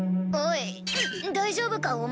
おい大丈夫か？